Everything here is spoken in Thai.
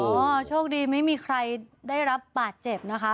โชคดีไม่มีใครได้รับบาดเจ็บนะคะ